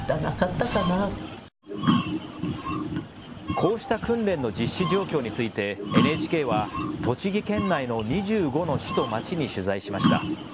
こうした訓練の実施状況についてＮＨＫは栃木県内の２５の市と町に取材しました。